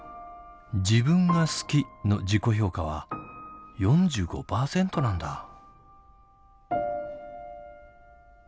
「自分が好き」の自己評価は４５％なんだ。